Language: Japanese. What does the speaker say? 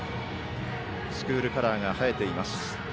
スクールカラーが映えています。